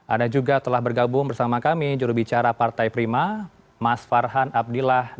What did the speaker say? ada juga telah bergabung bersama kami jurubicara partai prima mas farhan abdillah